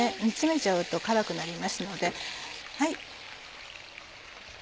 煮詰めちゃうと辛くなりますので。